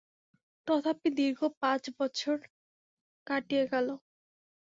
তথাপি দীর্ঘ পাঁচ বৎসর কাটিয়া গেল।